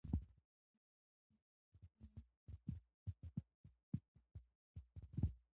د مېلو له برکته ځوانان د خپلو حقوقو په اړه پوهاوی پیدا کوي.